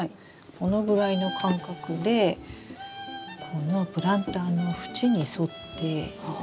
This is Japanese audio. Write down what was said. このぐらいの間隔でこのプランターの縁に沿って。